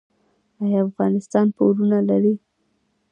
آیا افغانستان پورونه لري؟